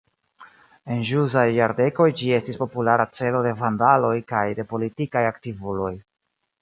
En ĵusaj jardekoj ĝi estis populara celo de vandaloj kaj de politikaj aktivuloj.